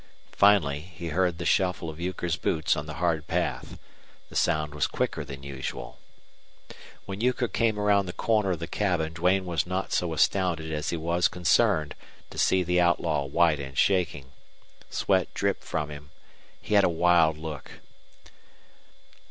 Finally he heard the shuffle of Euchre's boots on the hard path. The sound was quicker than usual. When Euchre came around the corner of the cabin Duane was not so astounded as he was concerned to see the outlaw white and shaking. Sweat dripped from him. He had a wild look.